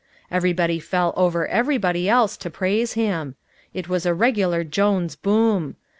Everybody fell over everybody else to praise him. It was a regular Jones boom.